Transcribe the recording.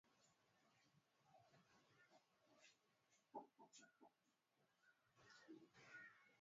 kata unga wako kwenye maumbo tofauti kwa aijli ya maandazi